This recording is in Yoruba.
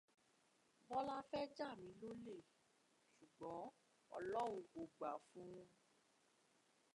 Bọ́lá fẹ́ ja mí lólè, ṣùgbọ́n Ọlọ́run kò gbà fún-un